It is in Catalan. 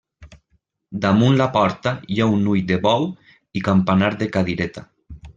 Damunt la porta hi ha un ull de bou i campanar de cadireta.